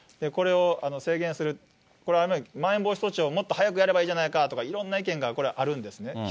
これを制限する、これはまん延防止措置をもっと早くやればいいじゃないかとか、いろんな意見があるんですね。